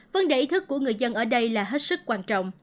vấn đề ý thức của người dân ở đây là hết sức quan trọng